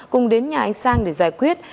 cùng đến nhà anh sang để giải quyết